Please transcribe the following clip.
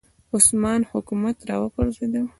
عثماني حکومت راوپرځېد